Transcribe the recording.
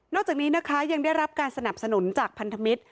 จากนี้นะคะยังได้รับการสนับสนุนจากพันธมิตร